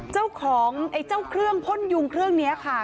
เจ้าของไอ้เจ้าเครื่องพ่นยุงเครื่องนี้ค่ะ